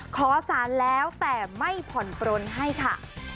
ขอสารแล้วแต่ไม่ผ่อนปลนให้ค่ะ